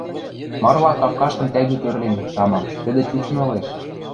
Марла капкаштым тӓгӱ тӧрлен, тама, тӹдӹ чӱчмы ылеш.